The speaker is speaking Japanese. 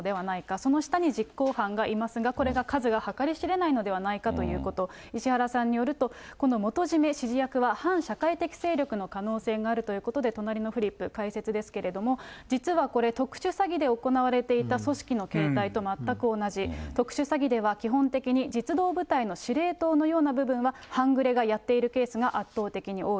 その下に実行犯がいますが、これが数がはかり知れないのではないかということ、石原さんによると、この元締め、指示役は反社会的勢力の可能性があるということで、隣のフリップ、解説ですけれども、実はこれ、特殊詐欺で行われていた組織の形態と全く同じ、特殊詐欺では基本的に実動部隊の司令塔のような部分は半グレがやっているケースが圧倒的に多い。